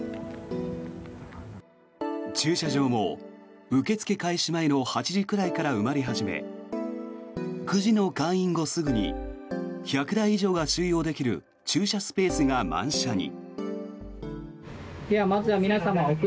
駐車場も受け付け開始前の８時ぐらいから埋まり始め９時の開院後すぐに１００台以上が収容できる駐車スペースが満車に。